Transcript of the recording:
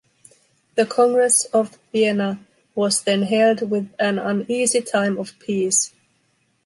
The Congress of Vienna was then held with an uneasy time of peace.